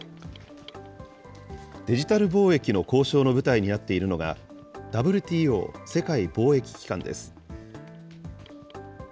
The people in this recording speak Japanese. デジタル貿易の交渉の舞台になっているのが、ＷＴＯ・世界貿易機関です。